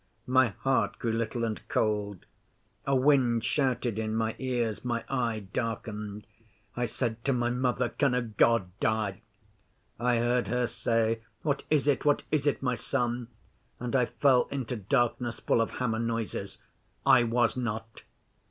My heart grew little and cold; a wind shouted in my ears; my eye darkened. I said to my Mother, "Can a God die?" I heard her say, "What is it? What is it, my son?" and I fell into darkness full of hammer noises. I was not.